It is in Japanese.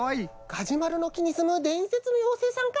ガジュマルのきにすむでんせつの妖精さんか。